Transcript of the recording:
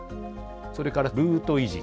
それからルート維持。